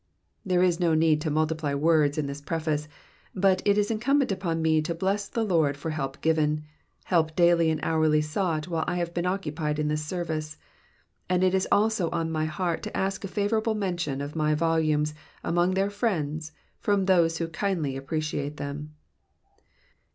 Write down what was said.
There is no need to multiply words in this preface, but it is incumbent upon me to bless the Lord for help given, help daily and hourly sought while I have been occupied in this service ; and it is also on my heart to ask a favourable mention of my volumes among their friends from those who kindly appreciate them.